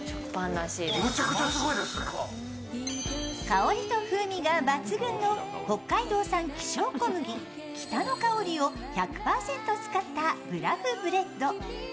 香りと風味が抜群の北海道産希少小麦キタノカオリを１００％使ったブラフブレッド。